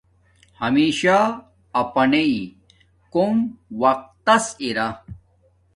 ہمشہ اپانݵ کوم وقت تس ار